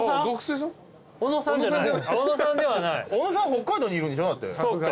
北海道にいるんでしょだって。